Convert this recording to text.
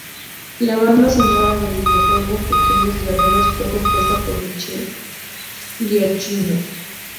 La banda sonora del videojuego Pequeños guerreros fue compuesta por Michael Giacchino.